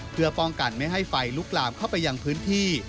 เพื่อป้องกันไม่ให้ไฟลุกลามเข้าไปยังพื้นที่